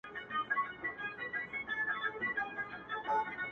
• نه به ګرځي لېونی واسکټ په ښار کي,